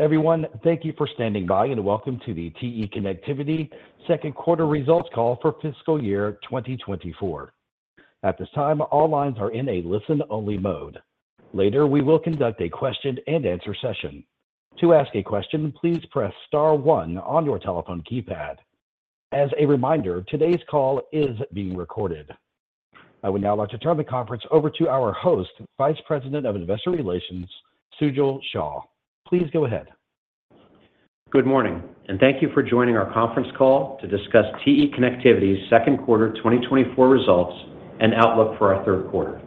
Everyone, thank you for standing by and welcome to the TE Connectivity second quarter results call for fiscal year 2024. At this time, all lines are in a listen-only mode. Later, we will conduct a question-and-answer session. To ask a question, please press star one on your telephone keypad. As a reminder, today's call is being recorded. I would now like to turn the conference over to our host, Vice President of Investor Relations, Sujal Shah. Please go ahead. Good morning, and thank you for joining our conference call to discuss TE Connectivity's second quarter 2024 results and outlook for our third quarter.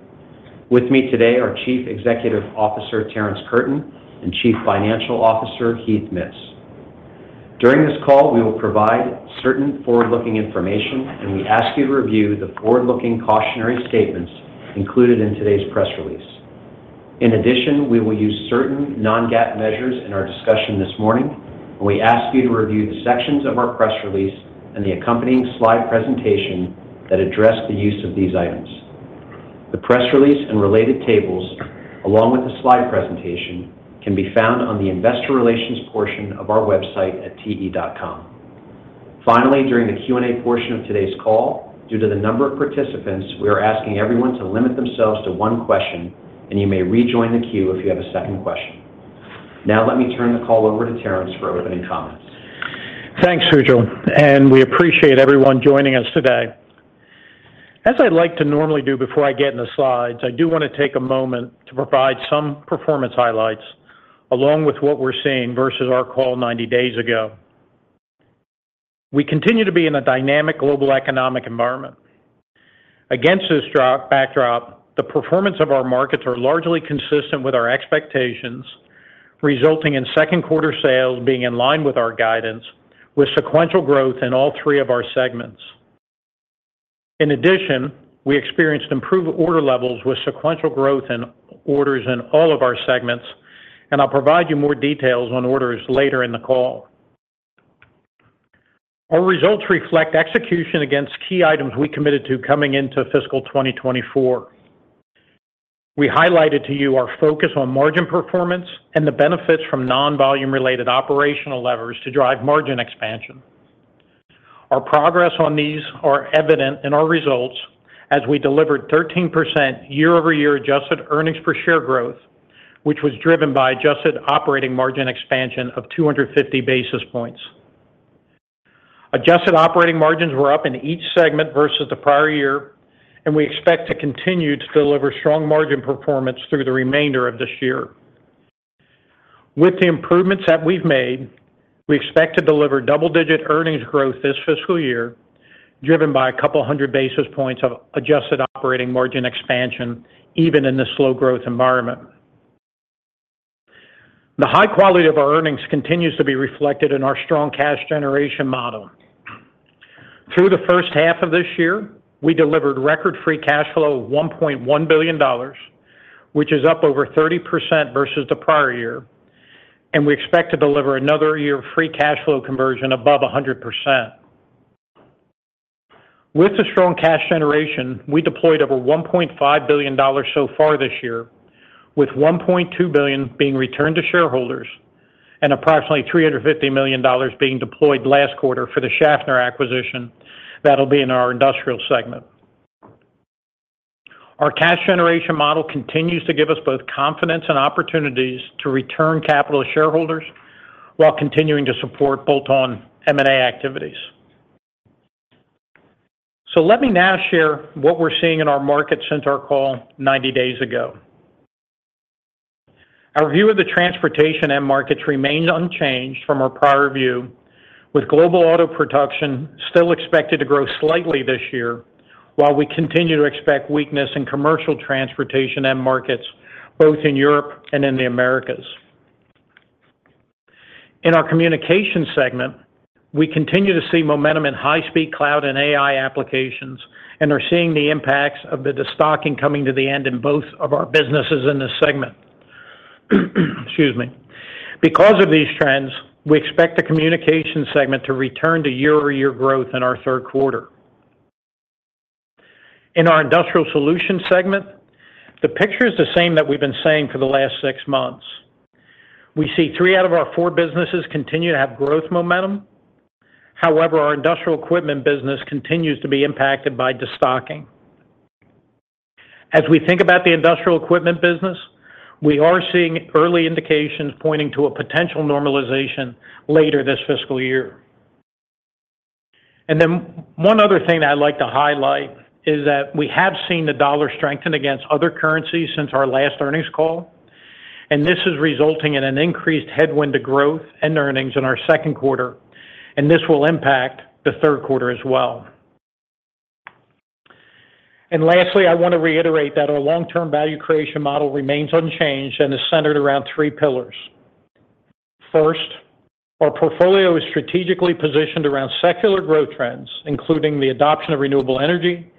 With me today are Chief Executive Officer Terrence Curtin and Chief Financial Officer Heath Mitts. During this call, we will provide certain forward-looking information, and we ask you to review the forward-looking cautionary statements included in today's press release. In addition, we will use certain non-GAAP measures in our discussion this morning, and we ask you to review the sections of our press release and the accompanying slide presentation that address the use of these items. The press release and related tables, along with the slide presentation, can be found on the Investor Relations portion of our website at te.com. Finally, during the Q&A portion of today's call, due to the number of participants, we are asking everyone to limit themselves to one question, and you may rejoin the queue if you have a second question. Now let me turn the call over to Terrence for opening comments. Thanks, Sujal, and we appreciate everyone joining us today. As I like to normally do before I get into slides, I do want to take a moment to provide some performance highlights along with what we're seeing versus our call 90 days ago. We continue to be in a dynamic global economic environment. Against this backdrop, the performance of our markets are largely consistent with our expectations, resulting in second quarter sales being in line with our guidance with sequential growth in all three of our segments. In addition, we experienced improved order levels with sequential growth in orders in all of our segments, and I'll provide you more details on orders later in the call. Our results reflect execution against key items we committed to coming into fiscal 2024. We highlighted to you our focus on margin performance and the benefits from non-volume-related operational levers to drive margin expansion. Our progress on these is evident in our results as we delivered 13% year-over-year adjusted earnings per share growth, which was driven by adjusted operating margin expansion of 250 basis points. Adjusted operating margins were up in each segment versus the prior year, and we expect to continue to deliver strong margin performance through the remainder of this year. With the improvements that we've made, we expect to deliver double-digit earnings growth this fiscal year, driven by a couple hundred basis points of adjusted operating margin expansion even in this slow-growth environment. The high quality of our earnings continues to be reflected in our strong cash generation model. Through the first half of this year, we delivered record free cash flow of $1.1 billion, which is up over 30% versus the prior year, and we expect to deliver another year of free cash flow conversion above 100%. With the strong cash generation, we deployed over $1.5 billion so far this year, with $1.2 billion being returned to shareholders and approximately $350 million being deployed last quarter for the Schaffner acquisition that will be in our industrial segment. Our cash generation model continues to give us both confidence and opportunities to return capital to shareholders while continuing to support bolt-on M&A activities. So let me now share what we're seeing in our markets since our call 90 days ago. Our view of the transportation end markets remains unchanged from our prior view, with global auto production still expected to grow slightly this year while we continue to expect weakness in commercial transportation end markets both in Europe and in the Americas. In our communications segment, we continue to see momentum in high-speed cloud and AI applications and are seeing the impacts of the destocking coming to the end in both of our businesses in this segment. Excuse me. Because of these trends, we expect the communications segment to return to year-over-year growth in our third quarter. In our industrial solutions segment, the picture is the same that we've been saying for the last six months. We see three out of our four businesses continue to have growth momentum. However, our industrial equipment business continues to be impacted by destocking. As we think about the industrial equipment business, we are seeing early indications pointing to a potential normalization later this fiscal year. And then one other thing that I'd like to highlight is that we have seen the U.S dollar strengthen against other currencies since our last earnings call, and this is resulting in an increased headwind to growth and earnings in our second quarter, and this will impact the third quarter as well. And lastly, I want to reiterate that our long-term value creation model remains unchanged and is centered around three pillars. First, our portfolio is strategically positioned around secular growth trends, including the adoption of renewable energy,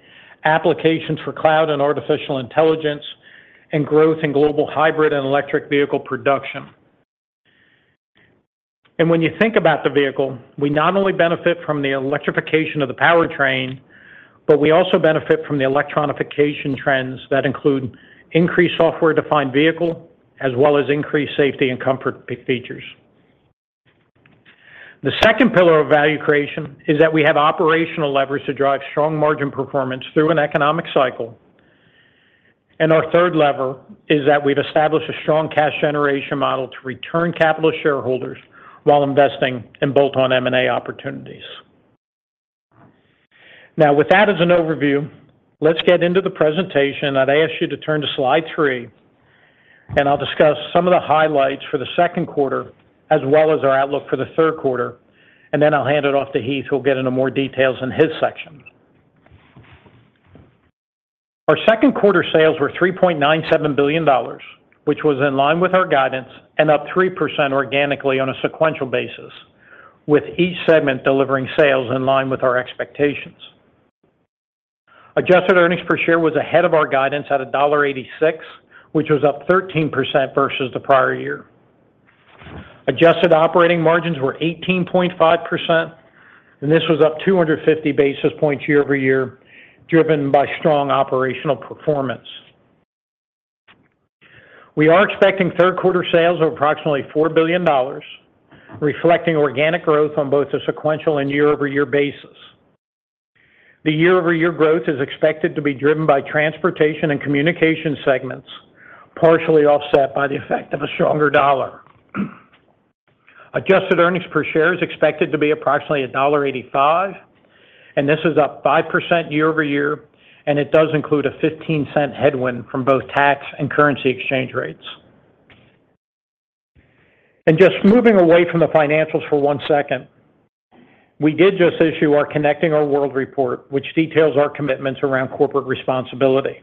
applications for cloud and artificial intelligence, and growth in global hybrid and electric vehicle production. And when you think about the vehicle, we not only benefit from the electrification of the powertrain, but we also benefit from the electronification trends that include increased software-defined vehicle as well as increased safety and comfort features. The second pillar of value creation is that we have operational levers to drive strong margin performance through an economic cycle. Our third lever is that we've established a strong cash generation model to return capital to shareholders while investing in bolt-on M&A opportunities. Now, with that as an overview, let's get into the presentation. I'd ask you to turn to slide three, and I'll discuss some of the highlights for the second quarter as well as our outlook for the third quarter, and then I'll hand it off to Heath, who will get into more details in his section. Our second quarter sales were $3.97 billion, which was in line with our guidance and up 3% organically on a sequential basis, with each segment delivering sales in line with our expectations. Adjusted earnings per share was ahead of our guidance at $1.86, which was up 13% versus the prior year. Adjusted operating margins were 18.5%, and this was up 250 basis points year-over-year, driven by strong operational performance. We are expecting third quarter sales of approximately $4 billion, reflecting organic growth on both a sequential and year-over-year basis. The year-over-year growth is expected to be driven by transportation and communications segments, partially offset by the effect of a stronger dollar. Adjusted earnings per share is expected to be approximately $1.85, and this is up 5% year-over-year, and it does include a $0.15 headwind from both tax and currency exchange rates. Just moving away from the financials for one second, we did just issue our Connecting Our World report, which details our commitments around corporate responsibility.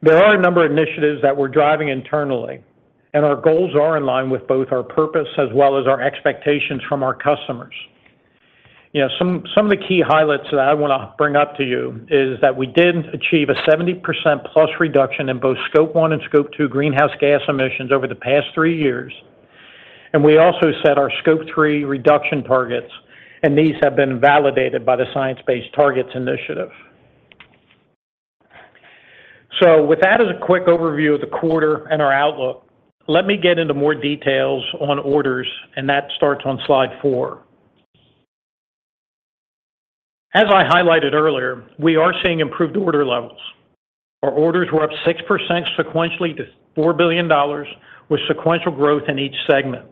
There are a number of initiatives that we're driving internally, and our goals are in line with both our purpose as well as our expectations from our customers. Some of the key highlights that I want to bring up to you is that we did achieve a 70%+ reduction in both Scope one and Scope two greenhouse gas emissions over the past three years, and we also set our Scope three reduction targets, and these have been validated by the Science Based Targets initiative. So with that as a quick overview of the quarter and our outlook, let me get into more details on orders, and that starts on slide four. As I highlighted earlier, we are seeing improved order levels. Our orders were up 6% sequentially to $4 billion, with sequential growth in each segment.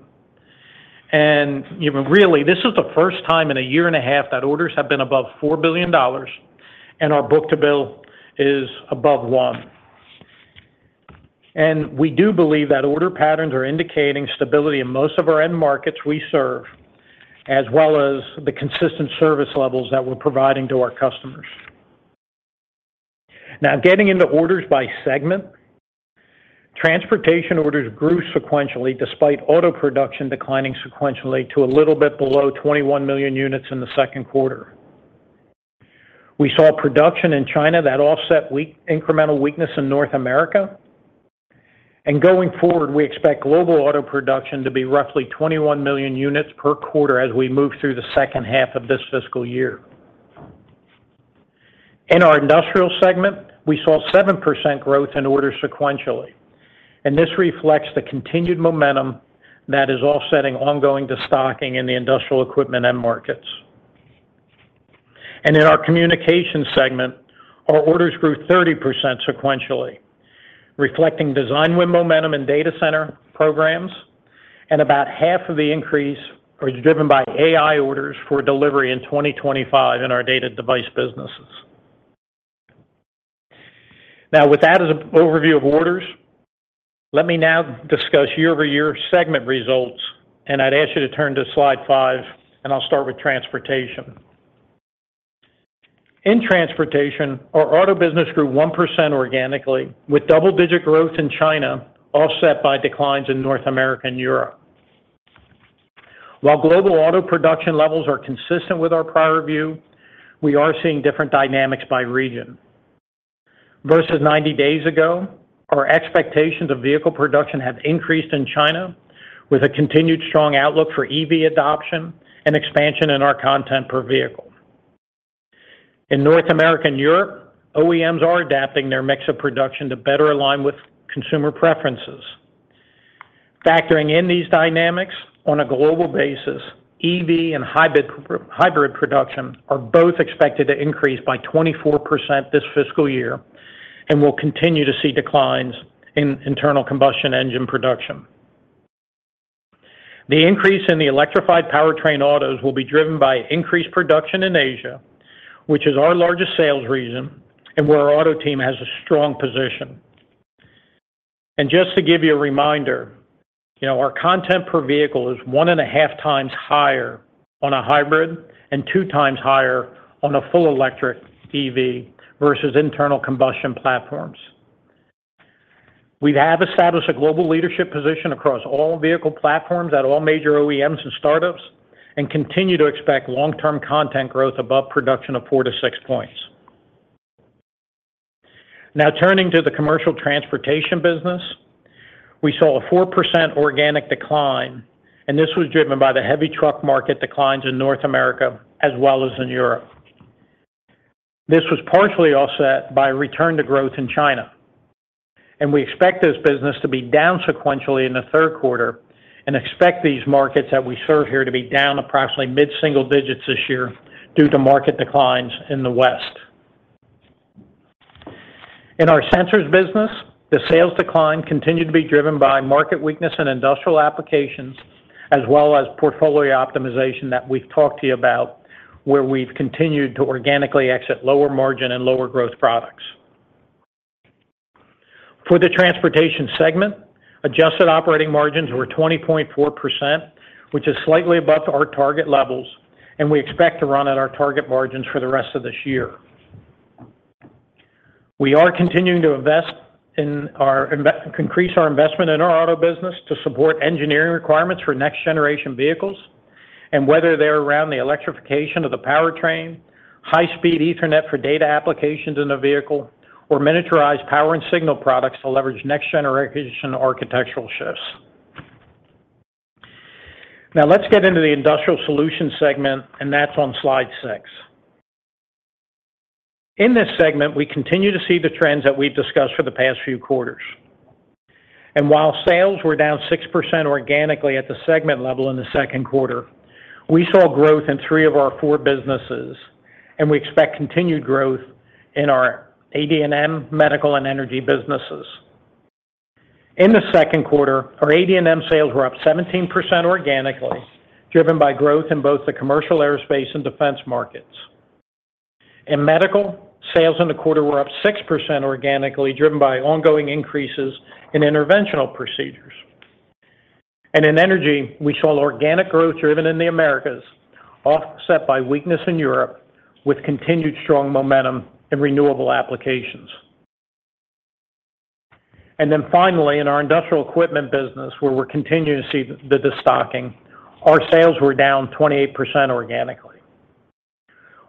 Really, this is the first time in a year and a half that orders have been above $4 billion, and our book-to-bill is above one. We do believe that order patterns are indicating stability in most of our end markets we serve, as well as the consistent service levels that we're providing to our customers. Now, getting into orders by segment, transportation orders grew sequentially despite auto production declining sequentially to a little bit below 21 million units in the second quarter. We saw production in China that offset incremental weakness in North America. Going forward, we expect global auto production to be roughly 21 million units per quarter as we move through the second half of this fiscal year. In our industrial segment, we saw 7% growth in orders sequentially, and this reflects the continued momentum that is offsetting ongoing distocking in the industrial equipment end markets. In our communications segment, our orders grew 30% sequentially, reflecting design-win momentum in data center programs, and about half of the increase is driven by AI orders for delivery in 2025 in our data device businesses. Now, with that as an overview of orders, let me now discuss year-over-year segment results, and I'd ask you to turn to slide five, and I'll start with transportation. In transportation, our auto business grew 1% organically, with double-digit growth in China offset by declines in North America and Europe. While global auto production levels are consistent with our prior view, we are seeing different dynamics by region. Versus 90 days ago, our expectations of vehicle production have increased in China with a continued strong outlook for EV adoption and expansion in our content per vehicle. In North America and Europe, OEMs are adapting their mix of production to better align with consumer preferences. Factoring in these dynamics, on a global basis, EV and hybrid production are both expected to increase by 24% this fiscal year and will continue to see declines in internal combustion engine production. The increase in the electrified powertrain autos will be driven by increased production in Asia, which is our largest sales region and where our auto team has a strong position. Just to give you a reminder, our content per vehicle is 1.5x higher on a hybrid and 2x higher on a full electric EV versus internal combustion platforms. We have established a global leadership position across all vehicle platforms at all major OEMs and startups and continue to expect long-term content growth above production of four to six points. Now, turning to the commercial transportation business, we saw a 4% organic decline, and this was driven by the heavy truck market declines in North America as well as in Europe. This was partially offset by return to growth in China. We expect this business to be down sequentially in the third quarter and expect these markets that we serve here to be down approximately mid-single digits this year due to market declines in the West. In our sensors business, the sales decline continued to be driven by market weakness in industrial applications as well as portfolio optimization that we've talked to you about, where we've continued to organically exit lower margin and lower growth products. For the transportation segment, adjusted operating margins were 20.4%, which is slightly above our target levels, and we expect to run at our target margins for the rest of this year. We are continuing to increase our investment in our auto business to support engineering requirements for next-generation vehicles and whether they're around the electrification of the powertrain, high-speed Ethernet for data applications in a vehicle, or miniaturized power and signal products to leverage next-generation architectural shifts. Now, let's get into the industrial solutions segment, and that's on slide six. In this segment, we continue to see the trends that we've discussed for the past few quarters. And while sales were down 6% organically at the segment level in the second quarter, we saw growth in three of our four businesses, and we expect continued growth in our AD&M medical and energy businesses. In the second quarter, our AD&M sales were up 17% organically, driven by growth in both the commercial aerospace and defense markets. In medical, sales in the quarter were up 6% organically, driven by ongoing increases in interventional procedures. In energy, we saw organic growth driven in the Americas, offset by weakness in Europe with continued strong momentum in renewable applications. Then finally, in our industrial equipment business, where we're continuing to see the distocking, our sales were down 28% organically.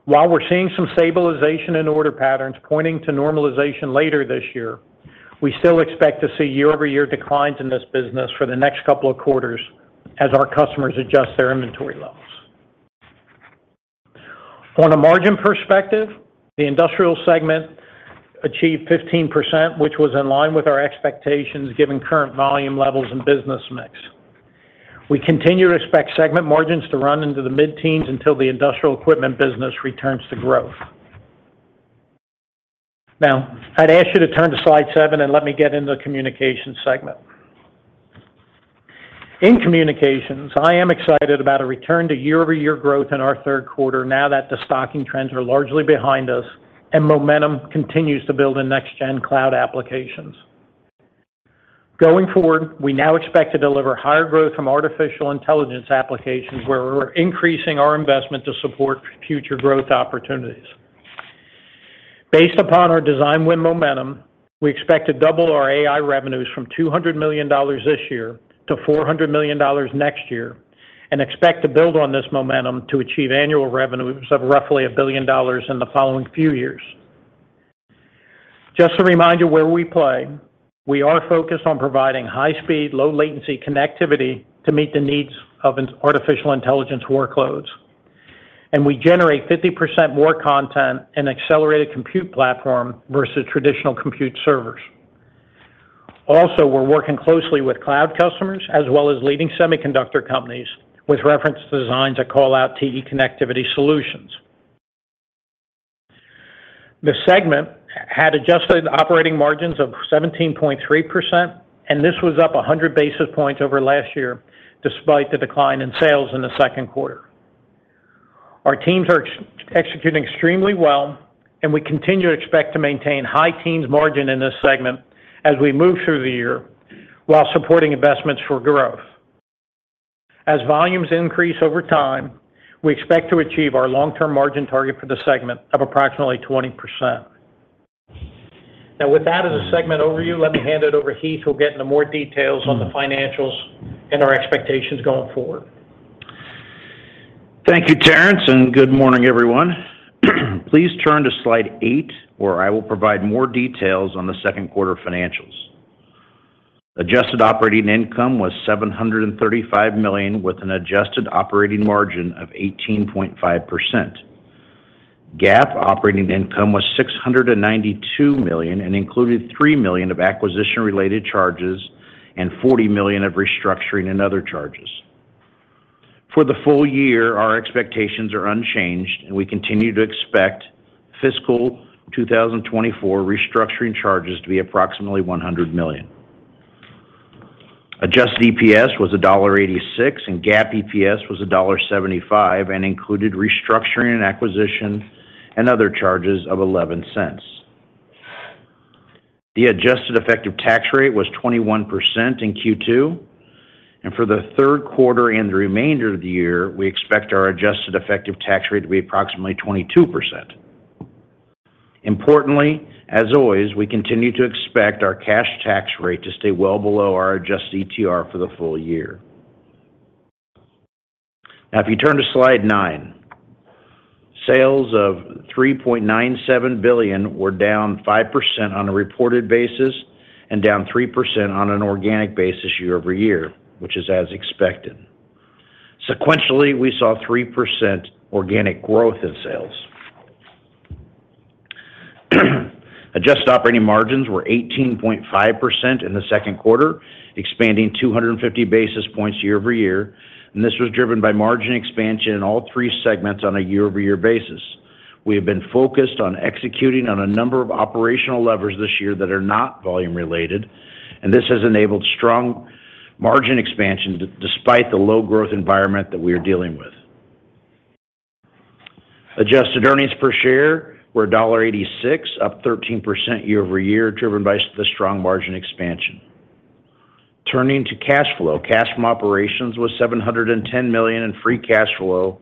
While we're seeing some stabilization in order patterns pointing to normalization later this year, we still expect to see year-over-year declines in this business for the next couple of quarters as our customers adjust their inventory levels. On a margin perspective, the industrial segment achieved 15%, which was in line with our expectations given current volume levels and business mix. We continue to expect segment margins to run into the mid-teens until the industrial equipment business returns to growth. Now, I'd ask you to turn to slide seven, and let me get into the communications segment. In communications, I am excited about a return to year-over-year growth in our third quarter now that distocking trends are largely behind us and momentum continues to build in next-gen cloud applications. Going forward, we now expect to deliver higher growth from artificial intelligence applications, where we're increasing our investment to support future growth opportunities. Based upon our design win momentum, we expect to double our AI revenues from $200 million this year to $400 million next year and expect to build on this momentum to achieve annual revenues of roughly $1 billion in the following few years. Just to remind you where we play, we are focused on providing high-speed, low-latency connectivity to meet the needs of artificial intelligence workloads. We generate 50% more content in accelerated compute platform versus traditional compute servers. Also, we're working closely with cloud customers as well as leading semiconductor companies with reference designs that call out TE Connectivity solutions. The segment had adjusted operating margins of 17.3%, and this was up 100 basis points over last year despite the decline in sales in the second quarter. Our teams are executing extremely well, and we continue to expect to maintain high teens margin in this segment as we move through the year while supporting investments for growth. As volumes increase over time, we expect to achieve our long-term margin target for the segment of approximately 20%. Now, with that as a segment overview, let me hand it over to Heath, who will get into more details on the financials and our expectations going forward. Thank you, Terrence, and good morning, everyone. Please turn to slide eight, where I will provide more details on the second quarter financials. Adjusted operating income was $735 million with an adjusted operating margin of 18.5%. GAAP operating income was $692 million and included $3 million of acquisition-related charges and $40 million of restructuring and other charges. For the full year, our expectations are unchanged, and we continue to expect fiscal 2024 restructuring charges to be approximately $100 million. Adjusted EPS was $1.86, and GAAP EPS was $1.75 and included restructuring and acquisition and other charges of $0.11. The adjusted effective tax rate was 21% in Q2. For the third quarter and the remainder of the year, we expect our adjusted effective tax rate to be approximately 22%. Importantly, as always, we continue to expect our cash tax rate to stay well below our adjusted ETR for the full year. Now, if you turn to slide nine, sales of $3.97 billion were down 5% on a reported basis and down 3% on an organic basis year-over-year, which is as expected. Sequentially, we saw 3% organic growth in sales. Adjusted operating margins were 18.5% in the second quarter, expanding 250 basis points year-over-year. And this was driven by margin expansion in all three segments on a year-over-year basis. We have been focused on executing on a number of operational levers this year that are not volume-related, and this has enabled strong margin expansion despite the low-growth environment that we are dealing with. Adjusted earnings per share were $1.86, up 13% year-over-year, driven by the strong margin expansion. Turning to cash flow, cash from operations was $710 million and free cash flow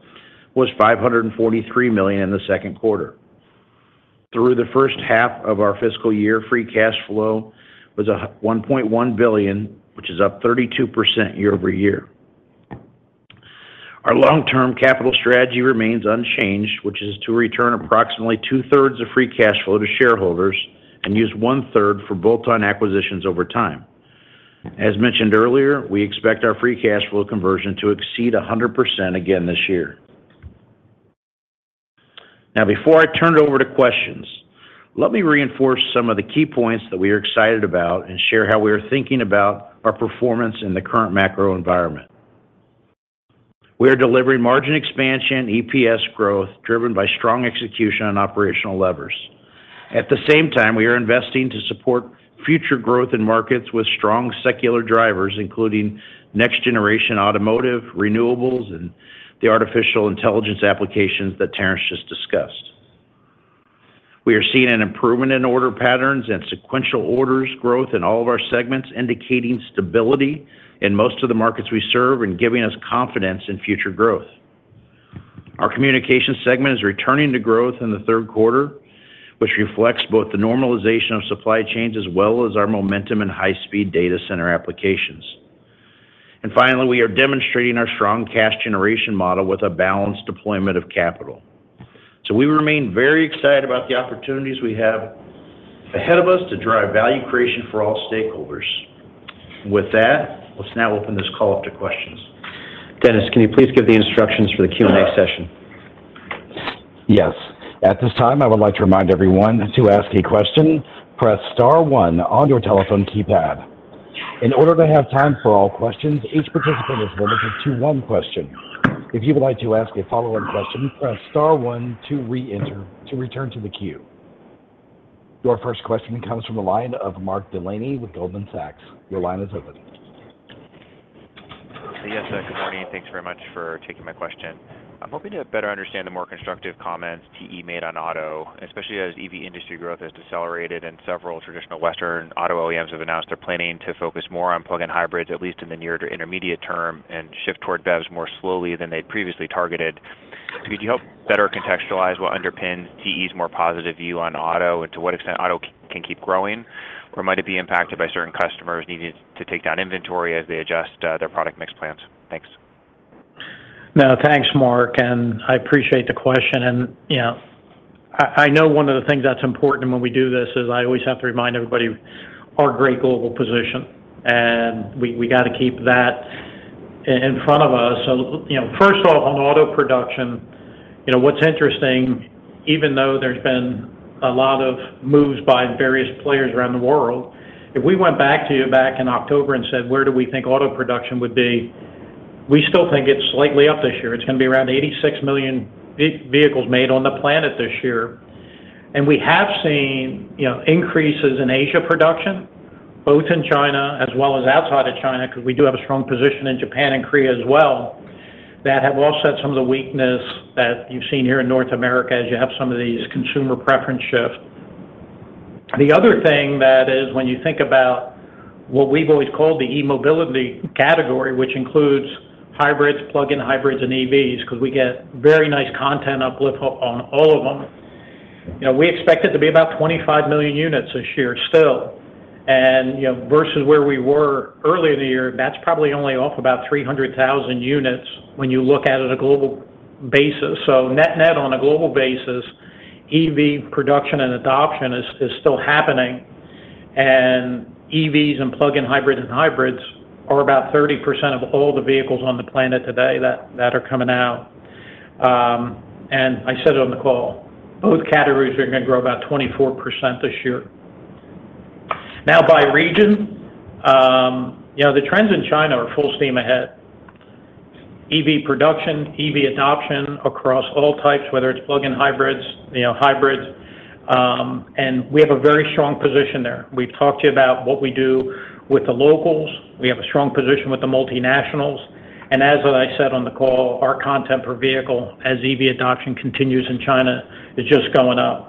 was $543 million in the second quarter. Through the first half of our fiscal year, free cash flow was $1.1 billion, which is up 32% year-over-year. Our long-term capital strategy remains unchanged, which is to return approximately two-thirds of free cash flow to shareholders and use one-third for bolt-on acquisitions over time. As mentioned earlier, we expect our free cash flow conversion to exceed 100% again this year. Now, before I turn it over to questions, let me reinforce some of the key points that we are excited about and share how we are thinking about our performance in the current macro environment. We are delivering margin expansion, EPS growth, driven by strong execution on operational levers. At the same time, we are investing to support future growth in markets with strong secular drivers, including next-generation automotive, renewables, and the artificial intelligence applications that Terrence just discussed. We are seeing an improvement in order patterns and sequential orders growth in all of our segments, indicating stability in most of the markets we serve and giving us confidence in future growth. Our communications segment is returning to growth in the third quarter, which reflects both the normalization of supply chain as well as our momentum in high-speed data center applications. And finally, we are demonstrating our strong cash generation model with a balanced deployment of capital. So we remain very excited about the opportunities we have ahead of us to drive value creation for all stakeholders. With that, let's now open this call up to questions. Dennis, can you please give the instructions for the Q&A session? At this time, I would like to remind everyone to ask a question, press star one on your telephone keypad. In order to have time for all questions, each participant is limited to one question. If you would like to ask a follow-up question, press star one to return to the queue. Your first question comes from the line of Mark Delaney with Goldman Sachs. Your line is open. Yes, good morning. Thanks very much for taking my question. I'm hoping to better understand the more constructive comments TE made on auto, especially as EV industry growth has decelerated and several traditional Western auto OEMs have announced they're planning to focus more on plug-in hybrids, at least in the near to intermediate term, and shift toward EVs more slowly than they'd previously targeted. So could you help better contextualize what underpins TE's more positive view on auto and to what extent auto can keep growing, or might it be impacted by certain customers needing to take down inventory as they adjust their product mix plans? Thanks. No, thanks, Mark. I appreciate the question. I know one of the things that's important when we do this is I always have to remind everybody our great global position. We got to keep that in front of us. So first off, on auto production, what's interesting, even though there's been a lot of moves by various players around the world, if we went back to you back in October and said, "Where do we think auto production would be?" We still think it's slightly up this year. It's going to be around 86 million vehicles made on the planet this year. We have seen increases in Asia production, both in China as well as outside of China because we do have a strong position in Japan and Korea as well, that have offset some of the weakness that you've seen here in North America as you have some of these consumer preference shifts. The other thing that is when you think about what we've always called the e-mobility category, which includes hybrids, plug-in hybrids, and EVs because we get very nice content uplift on all of them, we expect it to be about 25 million units this year still. Versus where we were earlier in the year, that's probably only off about 300,000 units when you look at it on a global basis. Net-net on a global basis, EV production and adoption is still happening. And EVs and plug-in hybrids and hybrids are about 30% of all the vehicles on the planet today that are coming out. And I said it on the call, both categories are going to grow about 24% this year. Now, by region, the trends in China are full steam ahead. EV production, EV adoption across all types, whether it's plug-in hybrids, and we have a very strong position there. We've talked to you about what we do with the locals. We have a strong position with the multinationals. And as I said on the call, our content per vehicle as EV adoption continues in China is just going up.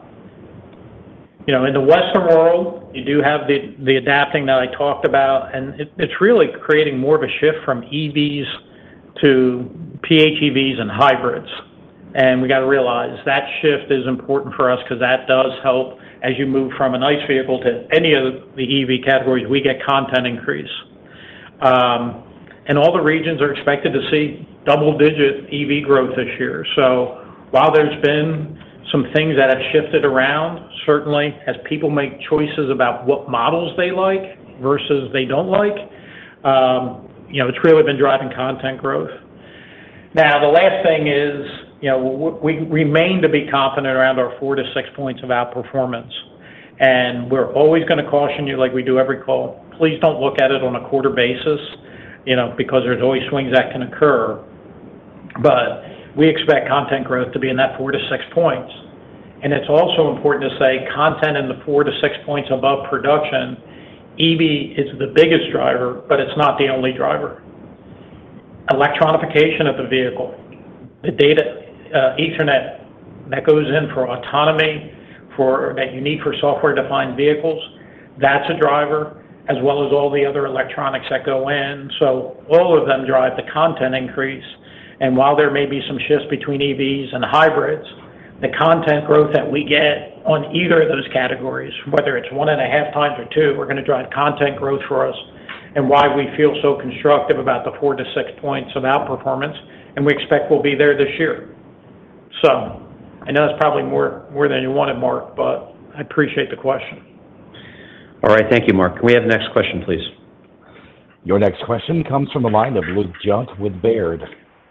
In the Western world, you do have the adoption that I talked about, and it's really creating more of a shift from EVs to PHEVs and hybrids. We got to realize that shift is important for us because that does help as you move from an ICE vehicle to any of the EV categories, we get content increase. All the regions are expected to see double-digit EV growth this year. While there's been some things that have shifted around, certainly as people make choices about what models they like versus they don't like, it's really been driving content growth. Now, the last thing is we remain to be confident around our four to six points of outperformance. We're always going to caution you like we do every call, please don't look at it on a quarter basis because there's always swings that can occur. We expect content growth to be in that four to six points. It's also important to say content in the four to six points above production, EV is the biggest driver, but it's not the only driver. Electronification of the vehicle, the Ethernet that goes in for autonomy that you need for software-defined vehicles, that's a driver as well as all the other electronics that go in. So all of them drive the content increase. And while there may be some shifts between EVs and hybrids, the content growth that we get on either of those categories, whether it's 1.5 times or two, are going to drive content growth for us and why we feel so constructive about the four to six points of outperformance. And we expect we'll be there this year. So I know that's probably more than you wanted, Mark, but I appreciate the question. All right. Thank you, Mark. Can we have the next question, please? Your next question comes from the line of Luke Junk with Baird.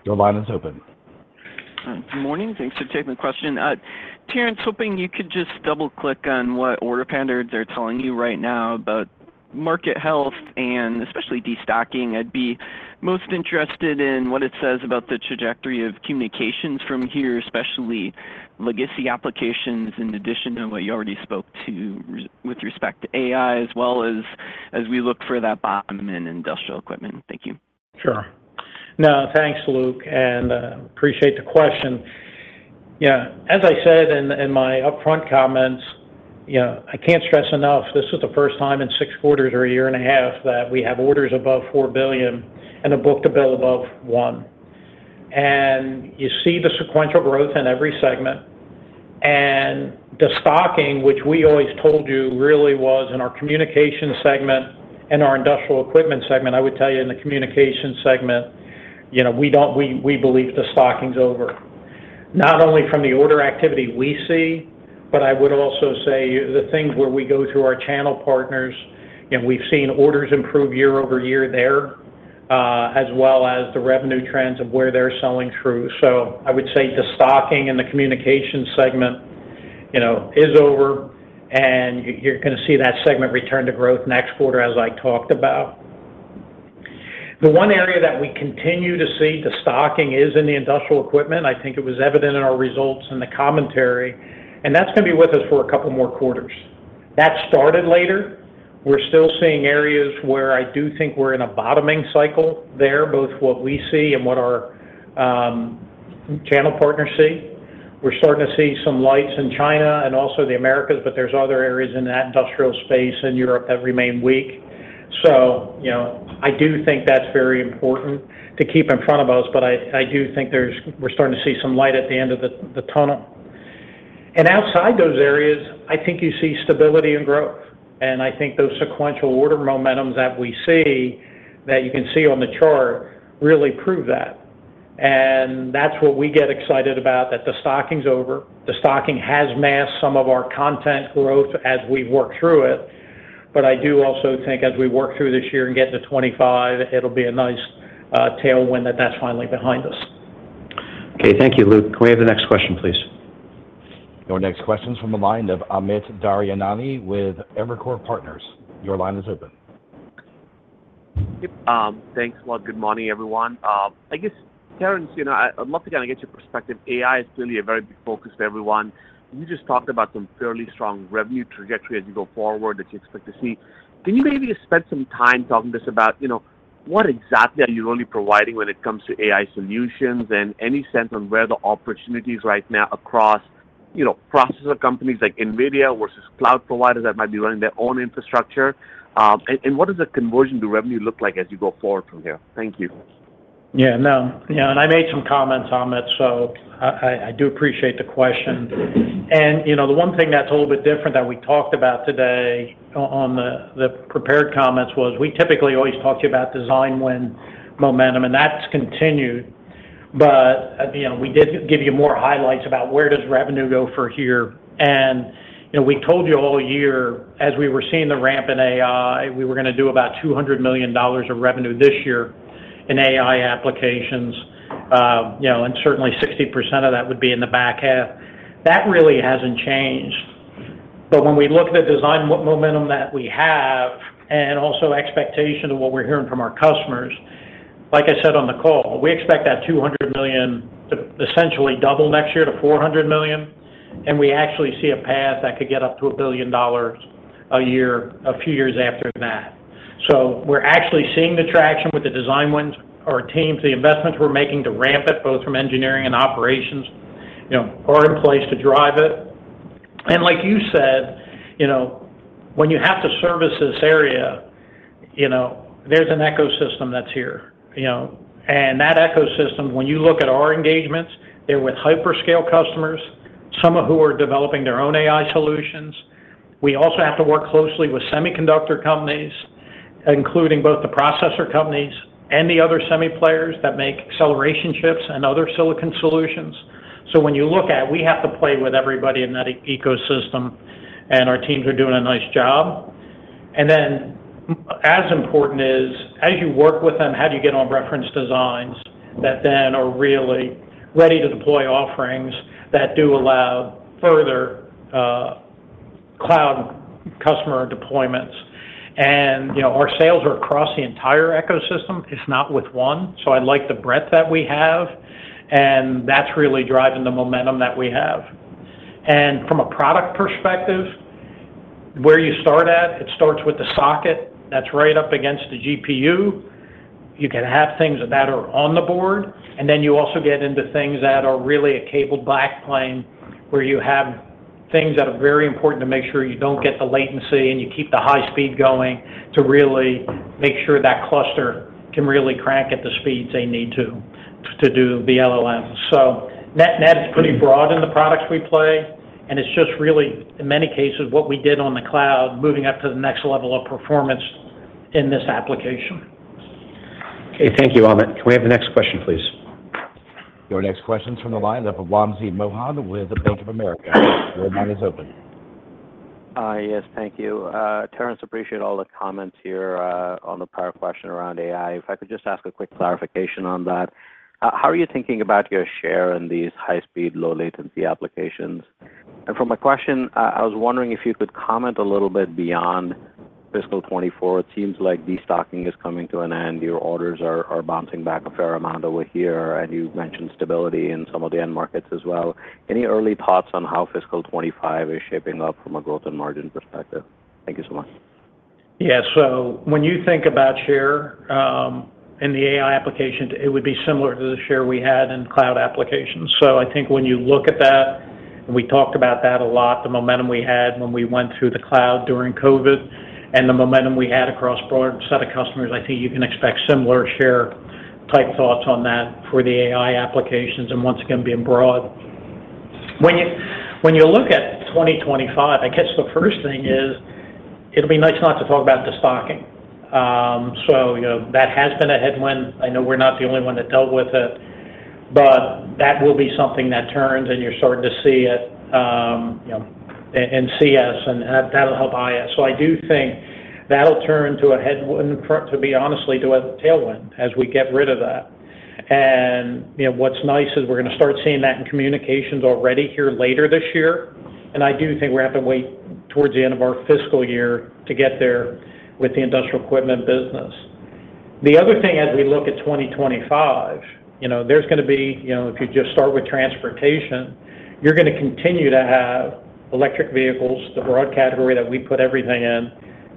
Your line is open. Good morning. Thanks for taking the question. Terrence, hoping you could just double-click on what order patterns they're telling you right now about market health and especially destocking. I'd be most interested in what it says about the trajectory of communications from here, especially legacy applications in addition to what you already spoke to with respect to AI as well as as we look for that bottom in industrial equipment. Thank you. Sure. No, thanks, Luke. And I appreciate the question. As I said in my upfront comments, I can't stress enough, this is the first time in six quarters or a year and a half that we have orders above $4 billion and a book-to-bill above one. And you see the sequential growth in every segment. And the stocking, which we always told you really was in our communications segment and our industrial equipment segment. I would tell you in the communications segment, we believe the stocking's over. Not only from the order activity we see, but I would also say the things where we go through our channel partners, we've seen orders improve year-over-year there as well as the revenue trends of where they're selling through. So I would say the stocking in the communications segment is over, and you're going to see that segment return to growth next quarter as I talked about. The one area that we continue to see the stocking is in the industrial equipment. I think it was evident in our results and the commentary. And that's going to be with us for a couple more quarters. That started later. We're still seeing areas where I do think we're in a bottoming cycle there, both what we see and what our channel partners see. We're starting to see some lights in China and also the Americas, but there's other areas in that industrial space in Europe that remain weak. So I do think that's very important to keep in front of us, but I do think we're starting to see some light at the end of the tunnel. And outside those areas, I think you see stability and growth. And I think those sequential order momentums that we see that you can see on the chart really prove that. And that's what we get excited about, that the stocking's over. The stocking has masked some of our content growth as we've worked through it. But I do also think as we work through this year and get to 2025, it'll be a nice tailwind that that's finally behind us. Okay. Thank you, Luke. Can we have the next question, please? Your next question's from the line of Amit Daryanani with Evercore ISI. Your line is open. Yep. Thanks. Well, good morning, everyone. I guess, Terrence, I'd love to kind of get your perspective. AI is clearly a very big focus for everyone. You just talked about some fairly strong revenue trajectory as you go forward that you expect to see. Can you maybe spend some time talking to us about what exactly are you really providing when it comes to AI solutions and any sense on where the opportunity is right now across processor companies like NVIDIA versus cloud providers that might be running their own infrastructure? What does the conversion to revenue look like as you go forward from here? Thank you. Yeah. No. I made some comments, Amit, so I do appreciate the question. The one thing that's a little bit different that we talked about today on the prepared comments was we typically always talk to you about design win momentum, and that's continued. But we did give you more highlights about where the revenue goes from here. We told you all year, as we were seeing the ramp in AI, we were going to do about $200 million of revenue this year in AI applications. Certainly, 60% of that would be in the back half. That really hasn't changed. But when we look at the design momentum that we have and also expectation of what we're hearing from our customers, like I said on the call, we expect that $200 million to essentially double next year to $400 million. And we actually see a path that could get up to $1 billion a year a few years after that. So we're actually seeing the traction with the design wins or teams, the investments we're making to ramp it, both from engineering and operations, are in place to drive it. And like you said, when you have to service this area, there's an ecosystem that's here. And that ecosystem, when you look at our engagements, they're with hyperscale customers, some of who are developing their own AI solutions. We also have to work closely with semiconductor companies, including both the processor companies and the other semi-players that make acceleration chips and other silicon solutions. So when you look at it, we have to play with everybody in that ecosystem, and our teams are doing a nice job. And then as important is, as you work with them, how do you get on reference designs that then are really ready to deploy offerings that do allow further cloud customer deployments? And our sales are across the entire ecosystem. It's not with one. So I like the breadth that we have. And that's really driving the momentum that we have. And from a product perspective, where you start at, it starts with the socket that's right up against the GPU. You can have things that are on the board. And then you also get into things that are really a cable backplane where you have things that are very important to make sure you don't get the latency and you keep the high speed going to really make sure that cluster can really crank at the speeds they need to do the LLMs. So net-net is pretty broad in the products we play. And it's just really, in many cases, what we did on the cloud moving up to the next level of performance in this application. Okay. Thank you, Amit. Can we have the next question, please? Your next question's from the line of Wamsi Mohan with Bank of America. Your line is open. Yes. Thank you. Terrence, appreciate all the comments here on the prior question around AI. If I could just ask a quick clarification on that, how are you thinking about your share in these high-speed, low-latency applications? And from my question, I was wondering if you could comment a little bit beyond fiscal 2024. It seems like destocking is coming to an end. Your orders are bouncing back a fair amount over here. And you mentioned stability in some of the end markets as well. Any early thoughts on how fiscal 2025 is shaping up from a growth and margin perspective? Thank you so much. Yeah. So when you think about share in the AI application, it would be similar to the share we had in cloud applications. So I think when you look at that, and we talked about that a lot, the momentum we had when we went through the cloud during COVID and the momentum we had across a broader set of customers, I think you can expect similar share-type thoughts on that for the AI applications and, once again, being broad. When you look at 2025, I guess the first thing is it'll be nice not to talk about destocking. So that has been a headwind. I know we're not the only one that dealt with it. But that will be something that turns, and you're starting to see it in CS. And that'll help IS. So I do think that'll turn to a headwind, to be honest, to a tailwind as we get rid of that. And what's nice is we're going to start seeing that in communications already here later this year. I do think we're going to have to wait towards the end of our fiscal year to get there with the industrial equipment business. The other thing, as we look at 2025, there's going to be, if you just start with transportation, you're going to continue to have electric vehicles, the broad category that we put everything in,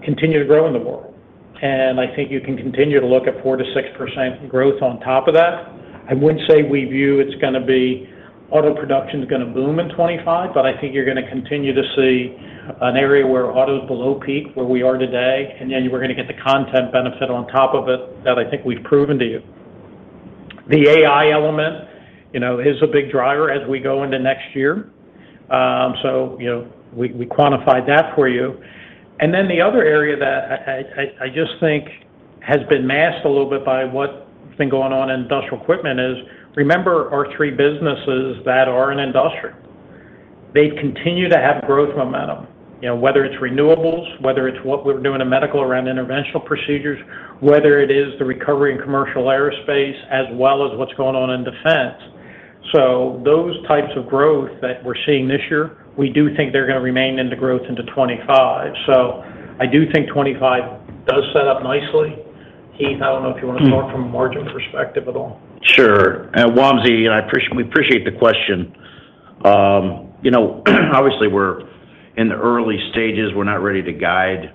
continue to grow in the world. And I think you can continue to look at 4%-6% growth on top of that. I wouldn't say we view it's going to be auto production's going to boom in 2025, but I think you're going to continue to see an area where auto's below peak where we are today. And then we're going to get the content benefit on top of it that I think we've proven to you. The AI element is a big driver as we go into next year. So we quantified that for you. And then the other area that I just think has been masked a little bit by what's been going on in industrial equipment is remember our three businesses that are in industry. They continue to have growth momentum, whether it's renewables, whether it's what we were doing in medical around interventional procedures, whether it is the recovery in commercial aerospace, as well as what's going on in defense. So those types of growth that we're seeing this year, we do think they're going to remain into growth into 2025. So I do think 2025 does set up nicely. Heath, I don't know if you want to start from a margin perspective at all. Sure. Wamsi, we appreciate the question. Obviously, we're in the early stages. We're not ready to guide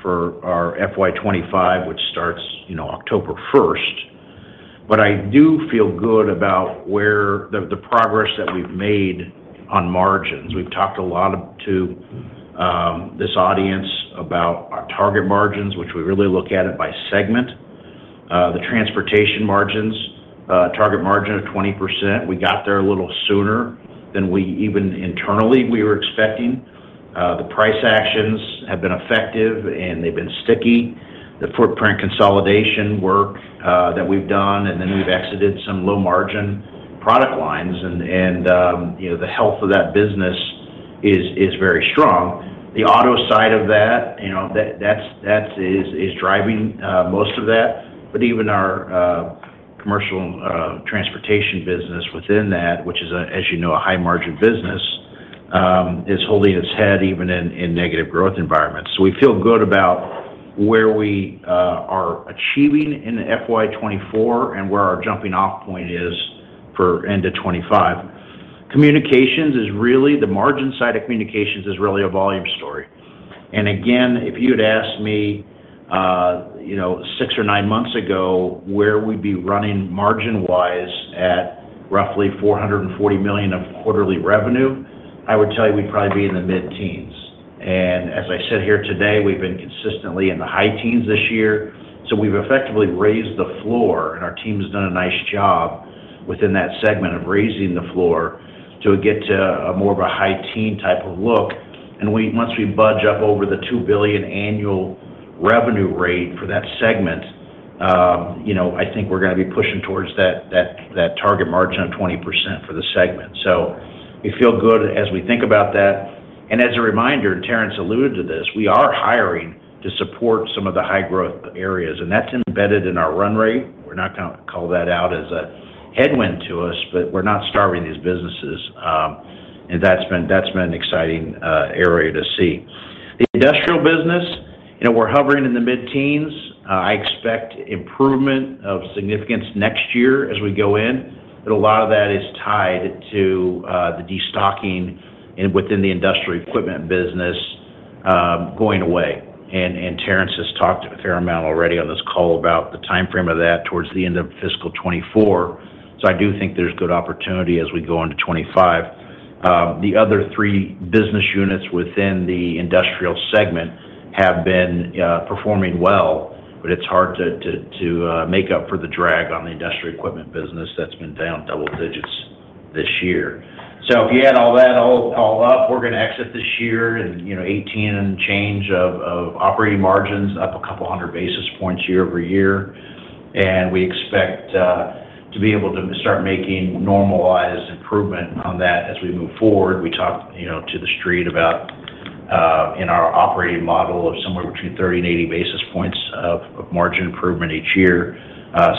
for our FY25, which starts October 1st. But I do feel good about the progress that we've made on margins. We've talked a lot to this audience about our target margins, which we really look at it by segment, the transportation margins, target margin of 20%. We got there a little sooner than we even internally we were expecting. The price actions have been effective, and they've been sticky. The footprint consolidation work that we've done, and then we've exited some low-margin product lines. And the health of that business is very strong. The auto side of that, that is driving most of that. But even our commercial transportation business within that, which is, as you know, a high-margin business, is holding its head even in negative growth environments. So we feel good about where we are achieving in FY24 and where our jumping-off point is for end of 2025. Communications is really the margin side of communications is really a volume story. And again, if you had asked me six or nine months ago where we'd be running margin-wise at roughly $440 million of quarterly revenue, I would tell you we'd probably be in the mid-teens. And as I sit here today, we've been consistently in the high-teens this year. So we've effectively raised the floor, and our team has done a nice job within that segment of raising the floor to get to more of a high-teen type of look. And once we budge up over the $2 billion annual revenue rate for that segment, I think we're going to be pushing towards that target margin of 20% for the segment. So we feel good as we think about that. As a reminder, and Terrence alluded to this, we are hiring to support some of the high-growth areas. That's embedded in our run rate. We're not going to call that out as a headwind to us, but we're not starving these businesses. That's been an exciting area to see. The industrial business, we're hovering in the mid-teens. I expect improvement of significance next year as we go in. But a lot of that is tied to the destocking within the industrial equipment business going away. Terrence has talked a fair amount already on this call about the timeframe of that towards the end of fiscal 2024. So I do think there's good opportunity as we go into 2025. The other three business units within the industrial segment have been performing well, but it's hard to make up for the drag on the industrial equipment business that's been down double digits this year. So if you add all that all up, we're going to exit this year in 18% and change of operating margins up a couple hundred basis points year over year. We expect to be able to start making normalized improvement on that as we move forward. We talked to the street about in our operating model of somewhere between 30-80 basis points of margin improvement each year.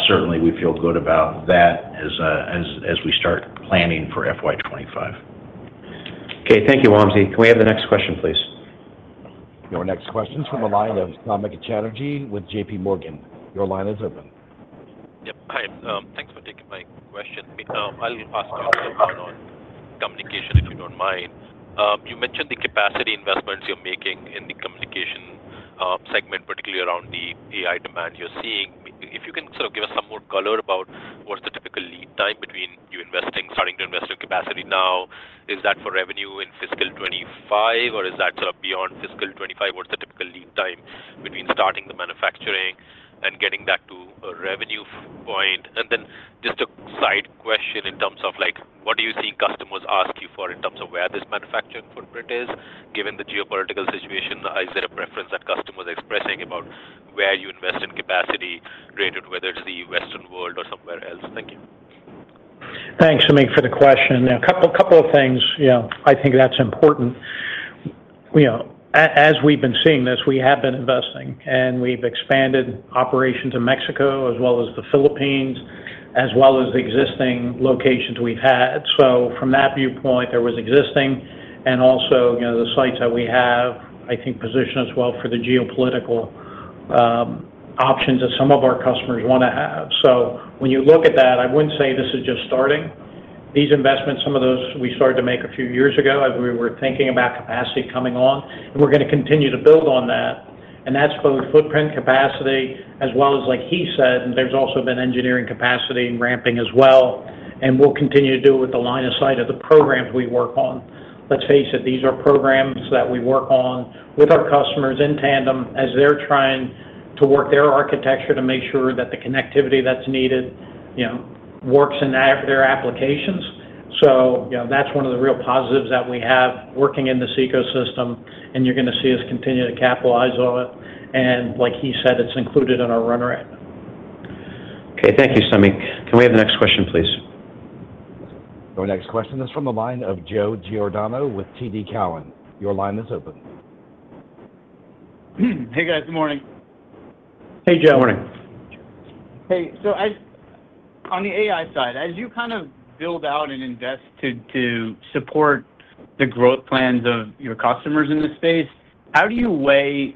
Certainly, we feel good about that as we start planning for FY25. Okay. Thank you, Wamsi. Can we have the next question, please? Your next question's from the line of Samik Chatterjee with JPMorgan. Your line is open. Yep. Hi. Thanks for taking my question. I'll ask a little bit more on communication if you don't mind. You mentioned the capacity investments you're making in the communication segment, particularly around the AI demand you're seeing. If you can sort of give us some more color about what's the typical lead time between you starting to invest in capacity now? Is that for revenue in fiscal 2025, or is that sort of beyond fiscal 2025? What's the typical lead time between starting the manufacturing and getting back to a revenue point? And then just a side question in terms of what are you seeing customers ask you for in terms of where this manufacturing footprint is? Given the geopolitical situation, is there a preference that customers are expressing about where you invest in capacity related to whether it's the Western world or somewhere else? Thank you. Thanks, Amit, for the question. A couple of things. I think that's important. As we've been seeing this, we have been investing. We've expanded operations in Mexico as well as the Philippines as well as the existing locations we've had. So from that viewpoint, there was existing. Also, the sites that we have, I think, position as well for the geopolitical options that some of our customers want to have. So when you look at that, I wouldn't say this is just starting. These investments, some of those, we started to make a few years ago as we were thinking about capacity coming on. We're going to continue to build on that. That's both footprint capacity as well as, like he said, there's also been engineering capacity and ramping as well. We'll continue to do it with the line of sight of the programs we work on. Let's face it, these are programs that we work on with our customers in tandem as they're trying to work their architecture to make sure that the connectivity that's needed works in their applications. So that's one of the real positives that we have working in this ecosystem. And you're going to see us continue to capitalize on it. And like he said, it's included in our run rate. Okay. Thank you, Sujal. Can we have the next question, please? Your next question is from the line of Joe Giordano with TD Cowen. Your line is open. Hey, guys. Good morning. Hey, Joe. Good morning. Hey. So on the AI side, as you kind of build out and invest to support the growth plans of your customers in this space, how do you weigh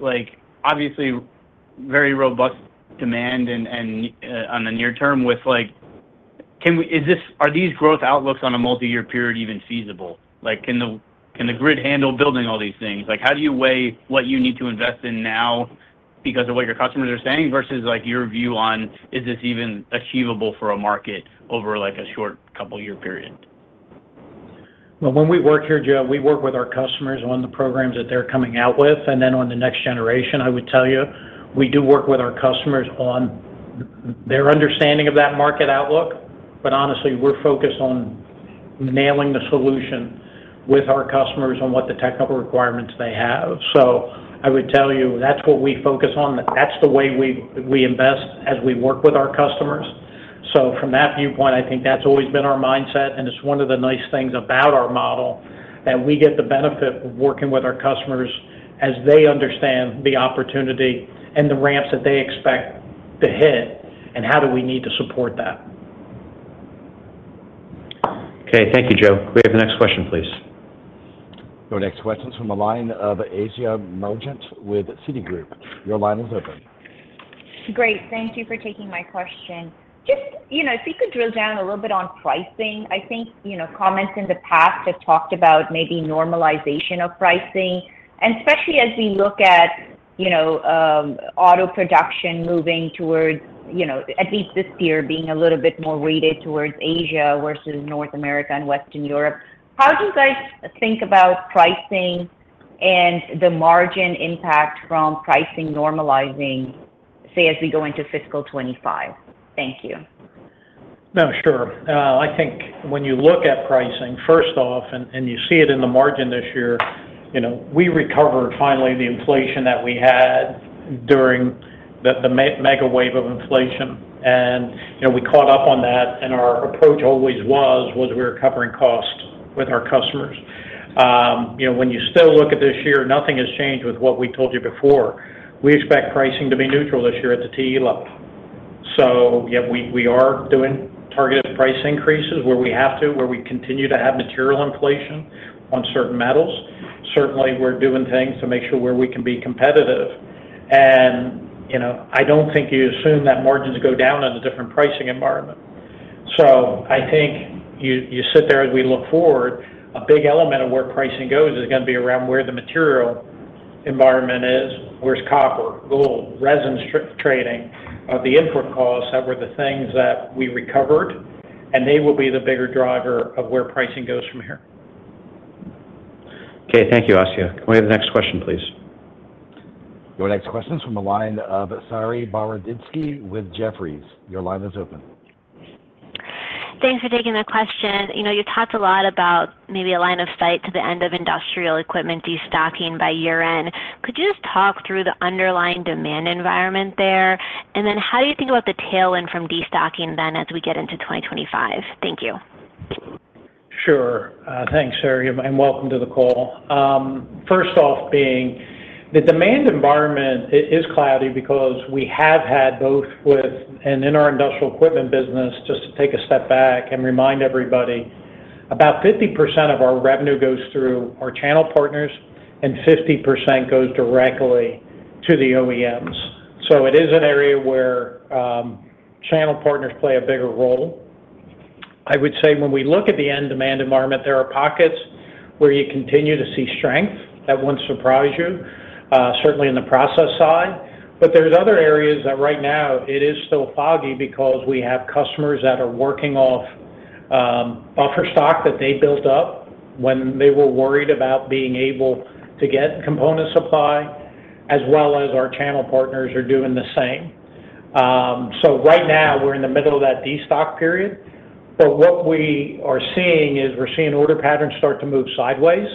obviously, very robust demand on the near term with are these growth outlooks on a multiyear period even feasible? Can the grid handle building all these things? How do you weigh what you need to invest in now because of what your customers are saying versus your view on, "Is this even achievable for a market over a short couple-year period?" Well, when we work here, Joe, we work with our customers on the programs that they're coming out with. And then on the next generation, I would tell you, we do work with our customers on their understanding of that market outlook. But honestly, we're focused on nailing the solution with our customers on what the technical requirements they have. So I would tell you, that's what we focus on. That's the way we invest as we work with our customers. So from that viewpoint, I think that's always been our mindset. And it's one of the nice things about our model that we get the benefit of working with our customers as they understand the opportunity and the ramps that they expect to hit and how do we need to support that. Okay. Thank you, Joe. Can we have the next question, please? Your next question's from the line of Asiya Merchant with Citigroup. Your line is open. Great. Thank you for taking my question. Just if you could drill down a little bit on pricing. I think comments in the past have talked about maybe normalization of pricing. Especially as we look at auto production moving towards at least this year being a little bit more weighted towards Asia versus North America and Western Europe, how do you guys think about pricing and the margin impact from pricing normalizing, say, as we go into fiscal 2025? Thank you. No, sure. I think when you look at pricing, first off, and you see it in the margin this year, we recovered finally the inflation that we had during the mega wave of inflation. We caught up on that. Our approach always was we were covering costs with our customers. When you still look at this year, nothing has changed with what we told you before. We expect pricing to be neutral this year at the TE level. So yeah, we are doing targeted price increases where we have to, where we continue to have material inflation on certain metals. Certainly, we're doing things to make sure where we can be competitive. And I don't think you assume that margins go down in a different pricing environment. So I think you sit there as we look forward. A big element of where pricing goes is going to be around where the material environment is, where's copper, gold, resin trading, the input costs that were the things that we recovered. And they will be the bigger driver of where pricing goes from here. Okay. Thank you, Oscar. Can we have the next question, please? Your next question's from the line of Saree Boroditsky with Jefferies. Your line is open. Thanks for taking the question. You talked a lot about maybe a line of sight to the end of industrial equipment destocking by year-end. Could you just talk through the underlying demand environment there? And then how do you think about the tailwind from destocking then as we get into 2025? Thank you. Sure. Thanks, Sari, and welcome to the call. First off, regarding the demand environment, it is cloudy because we have had both weakness and inventory in our industrial equipment business, just to take a step back and remind everybody, about 50% of our revenue goes through our channel partners and 50% goes directly to the OEMs. So it is an area where channel partners play a bigger role. I would say when we look at the end demand environment, there are pockets where you continue to see strength that won't surprise you, certainly in the process side. But there's other areas that right now, it is still foggy because we have customers that are working off buffer stock that they built up when they were worried about being able to get component supply, as well as our channel partners are doing the same. So right now, we're in the middle of that destock period. But what we are seeing is we're seeing order patterns start to move sideways.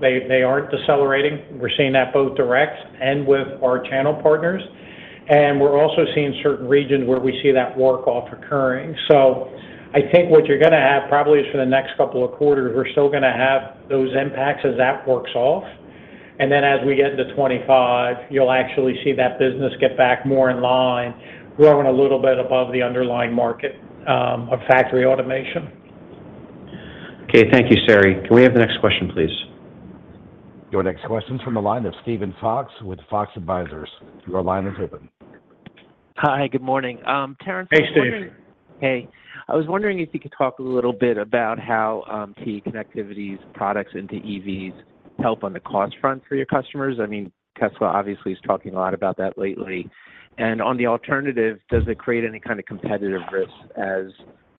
They aren't decelerating. We're seeing that both direct and with our channel partners. And we're also seeing certain regions where we see that work-off occurring. So I think what you're going to have probably is for the next couple of quarters, we're still going to have those impacts as that works off. And then as we get into 2025, you'll actually see that business get back more in line, growing a little bit above the underlying market of factory automation. Okay. Thank you, Sari. Can we have the next question, please? Your next question's from the line of Steven Fox with Fox Advisors. Your line is open. Hi. Good morning. Terrence Curtin. Hey. I was wondering if you could talk a little bit about how TE Connectivity's products into EVs help on the cost front for your customers. I mean, Tesla obviously is talking a lot about that lately. And on the alternative, does it create any kind of competitive risk as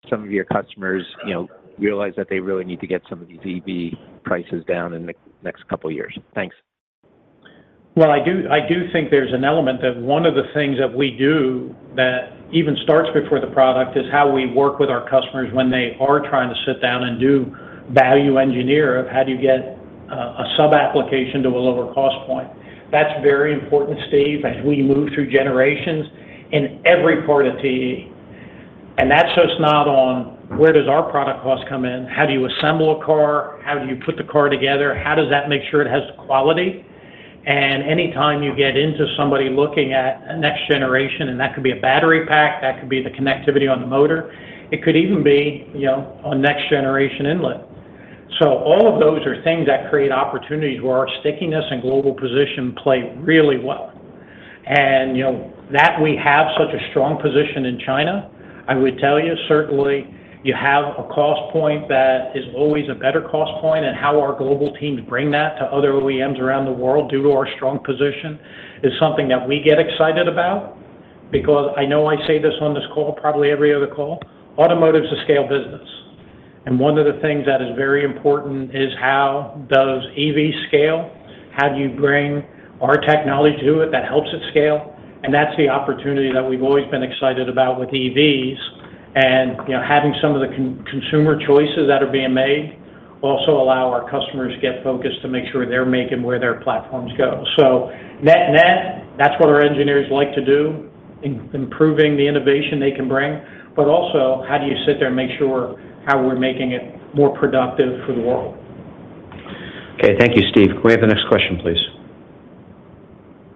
some of your customers realize that they really need to get some of these EV prices down in the next couple of years? Thanks. Well, I do think there's an element that one of the things that we do that even starts before the product is how we work with our customers when they are trying to sit down and do value engineer of how do you get a subapplication to a lower cost point. That's very important, Steve, as we move through generations in every part of TE. And that's just not on where does our product cost come in? How do you assemble a car? How do you put the car together? How does that make sure it has quality? And anytime you get into somebody looking at a next generation and that could be a battery pack, that could be the connectivity on the motor. It could even be a next-generation inlet. So all of those are things that create opportunities where our stickiness and global position play really well. And that we have such a strong position in China, I would tell you, certainly, you have a cost point that is always a better cost point. And how our global teams bring that to other OEMs around the world due to our strong position is something that we get excited about because I know I say this on this call probably every other call. Automotive's a scale business. And one of the things that is very important is how does EV scale? How do you bring our technology to it that helps it scale? And that's the opportunity that we've always been excited about with EVs. And having some of the consumer choices that are being made also allow our customers to get focused to make sure they're making where their platforms go. So net-net, that's what our engineers like to do, improving the innovation they can bring. But also, how do you sit there and make sure how we're making it more productive for the world? Okay. Thank you, Steve. Can we have the next question, please?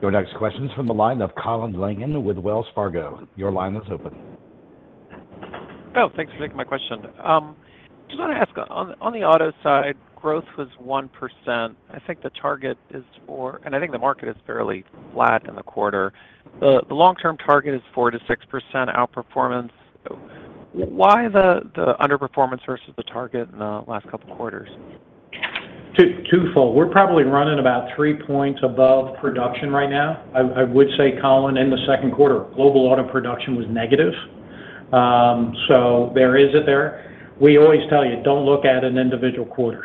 Your next question's from the line of Colin Langan with Wells Fargo. Your line is open. Oh, thanks for taking my question. I just want to ask, on the auto side, growth was 1%. I think the target is for and I think the market is fairly flat in the quarter. The long-term target is 4%-6% outperformance. Why the underperformance versus the target in the last couple of quarters? Twofold. We're probably running about three points above production right now. I would say, Colin, in the second quarter, global auto production was negative. So there is it there. We always tell you, don't look at an individual quarter.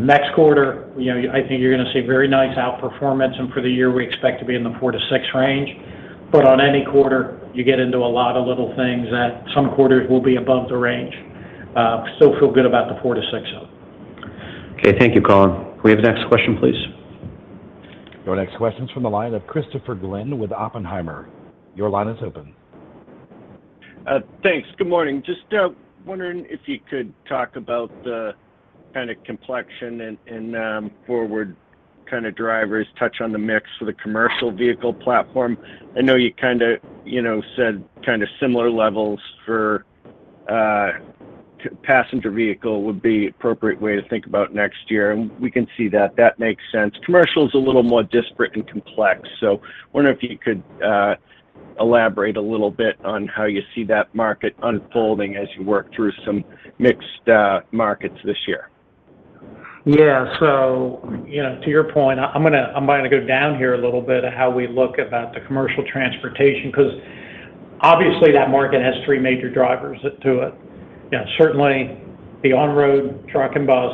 Next quarter, I think you're going to see very nice outperformance. And for the year, we expect to be in the 4-6 range. But on any quarter, you get into a lot of little things that some quarters will be above the range. Still feel good about the 4-6, though. Okay. Thank you, Colin. Can we have the next question, please? Your next question's from the line of Christopher Glynn with Oppenheimer. Your line is open. Thanks. Good morning. Just wondering if you could talk about the kind of complexion and forward kind of drivers, touch on the mix for the commercial vehicle platform. I know you kind of said kind of similar levels for passenger vehicle would be an appropriate way to think about next year. And we can see that. That makes sense. Commercial is a little more disparate and complex. So I wonder if you could elaborate a little bit on how you see that market unfolding as you work through some mixed markets this year. Yeah. So to your point, I'm about to go down here a little bit of how we look about the commercial transportation because obviously, that market has three major drivers to it. Certainly, the on-road truck and bus,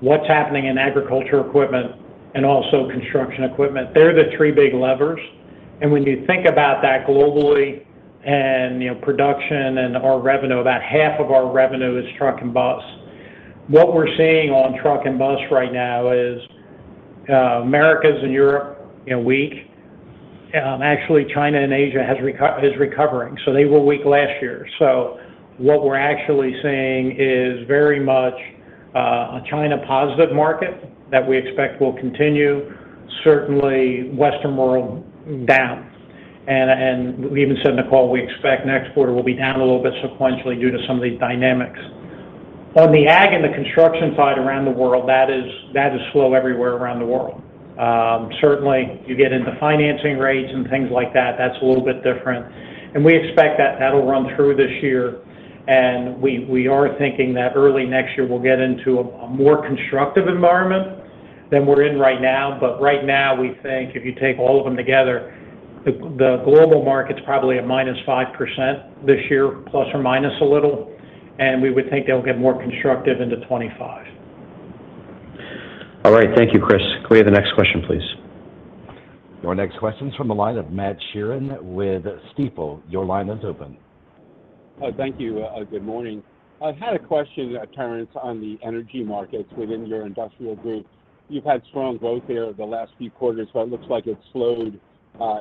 what's happening in agriculture equipment, and also construction equipment. They're the three big levers. And when you think about that globally and production and our revenue, about half of our revenue is truck and bus. What we're seeing on truck and bus right now is Americas and Europe weak. Actually, China and Asia is recovering. So they were weak last year. So what we're actually seeing is very much a China-positive market that we expect will continue. Certainly, Western world down. We even said in the call, we expect next quarter will be down a little bit sequentially due to some of these dynamics. On the ag and the construction side around the world, that is slow everywhere around the world. Certainly, you get into financing rates and things like that. That's a little bit different. We expect that that'll run through this year. We are thinking that early next year, we'll get into a more constructive environment than we're in right now. But right now, we think if you take all of them together, the global market's probably a -5% this year, ± a little. We would think they'll get more constructive into 2025. All right. Thank you, Chris. Can we have the next question, please? Your next question's from the line of Matt Sheerin with Stifel. Your line is open. Oh, thank you. Good morning. I had a question, Terrence, on the energy markets within your industrial group. You've had strong growth there the last few quarters, but it looks like it slowed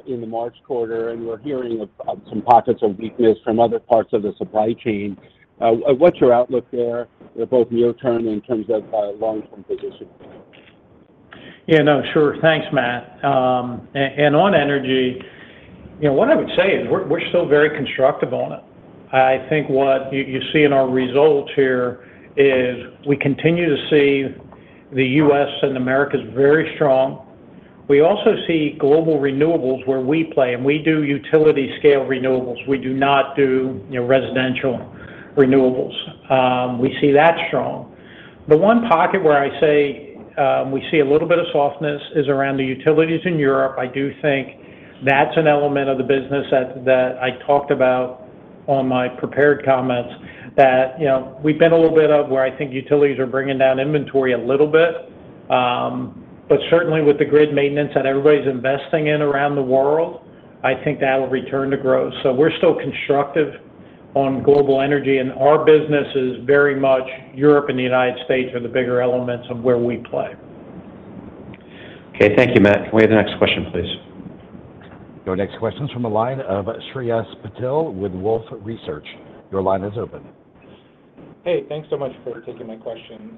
in the March quarter. And we're hearing of some pockets of weakness from other parts of the supply chain. What's your outlook there, both near-term in terms of long-term positioning? Yeah. No, sure. Thanks, Matt. And on energy, what I would say is we're still very constructive on it. I think what you see in our results here is we continue to see the US and Americas very strong. We also see global renewables where we play. And we do utility-scale renewables. We do not do residential renewables. We see that strong. The one pocket where I say we see a little bit of softness is around the utilities in Europe. I do think that's an element of the business that I talked about on my prepared comments, that we've been a little bit of where I think utilities are bringing down inventory a little bit. But certainly, with the grid maintenance that everybody's investing in around the world, I think that'll return to growth. So we're still constructive on global energy. And our business is very much Europe and the United States are the bigger elements of where we play. Okay. Thank you, Matt. Can we have the next question, please? Your next question's from the line of Shreyas Patil with Wolfe Research. Your line is open. Hey. Thanks so much for taking my question.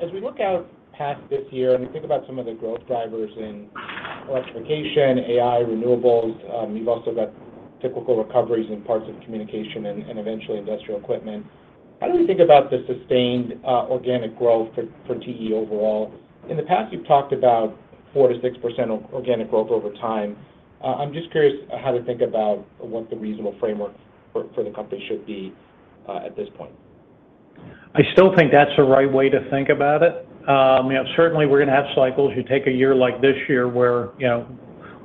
As we look out past this year and we think about some of the growth drivers in electrification, AI, renewables - you've also got typical recoveries in parts of communication and eventually industrial equipment - how do we think about the sustained organic growth for TE overall? In the past, you've talked about 4%-6% organic growth over time. I'm just curious how to think about what the reasonable framework for the company should be at this point? I still think that's the right way to think about it. Certainly, we're going to have cycles. You take a year like this year where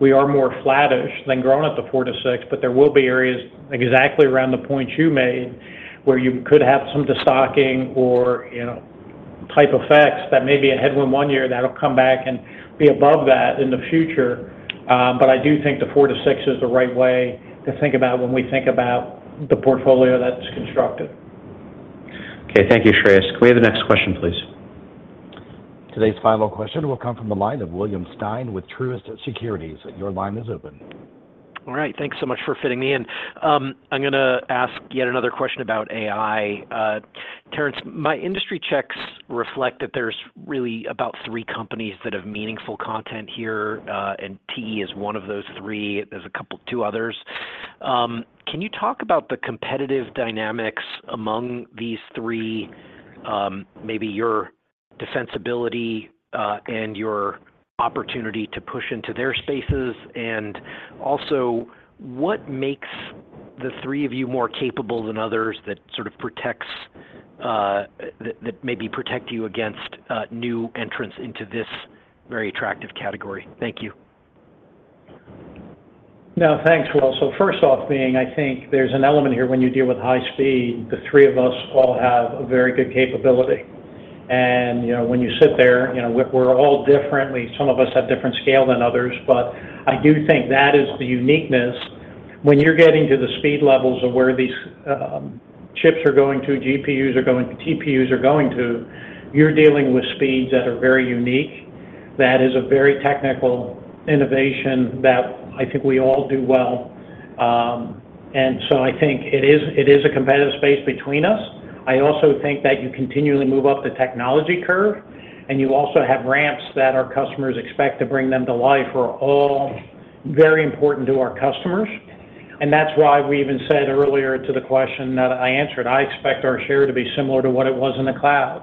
we are more flattish than growing at the 4%-6%. But there will be areas exactly around the points you made where you could have some destocking or timing effects that may be a headwind one year. That'll come back and be above that in the future. But I do think the 4-6 is the right way to think about when we think about the portfolio that's constructed. Okay. Thank you, Shreyas. Can we have the next question, please? Today's final question will come from the line of William Stein with Truist Securities. Your line is open. All right. Thanks so much for fitting me in. I'm going to ask yet another question about AI. Terrence, my industry checks reflect that there's really about three companies that have meaningful content here. And TE is one of those three. There's a couple, two others. Can you talk about the competitive dynamics among these three, maybe your defensibility and your opportunity to push into their spaces? And also, what makes the three of you more capable than others that sort of protects that maybe protect you against new entrants into this very attractive category? Thank you. No, thanks, Will. So first off being, I think there's an element here when you deal with high speed. The three of us all have a very good capability. And when you sit there, we're all different. Some of us have different scale than others. But I do think that is the uniqueness. When you're getting to the speed levels of where these chips are going to, GPUs are going to, TPUs are going to, you're dealing with speeds that are very unique. That is a very technical innovation that I think we all do well. And so I think it is a competitive space between us. I also think that you continually move up the technology curve. And you also have ramps that our customers expect to bring them to life are all very important to our customers. And that's why we even said earlier to the question that I answered, "I expect our share to be similar to what it was in the cloud."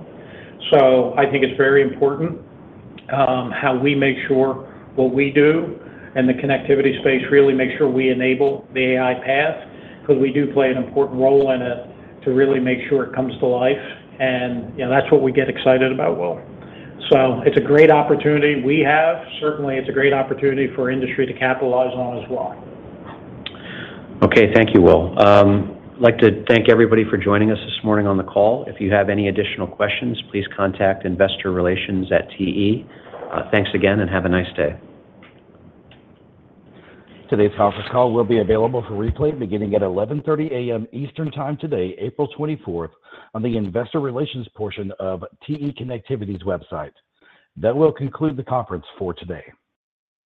So I think it's very important how we make sure what we do and the connectivity space really make sure we enable the AI path because we do play an important role in it to really make sure it comes to life. And that's what we get excited about, Will. So it's a great opportunity we have. Certainly, it's a great opportunity for industry to capitalize on as well. Okay. Thank you, Will. I'd like to thank everybody for joining us this morning on the call. If you have any additional questions, please contact investor relations at TE. Thanks again, and have a nice day. Today's conference call will be available for replay beginning at 11:30 A.M. Eastern Time today, April 24th, on the investor relations portion of TE Connectivity's website. That will conclude the conference for today.